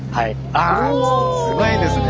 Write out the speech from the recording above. あすごいですね！